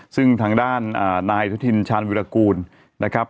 ซึ่งทางด้านนายสุธินชาญวิรากูลนะครับ